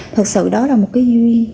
thật sự đó là một cái duy